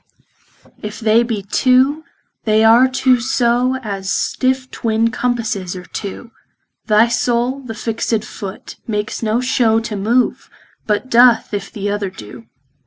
If they be two, they are two so As stiffe twin compasses are two, Thy soule the fixt foot, makes no show To move, but doth, if th' other doe.